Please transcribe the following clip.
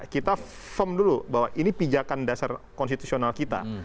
kita firm dulu bahwa ini pijakan dasar konstitusional kita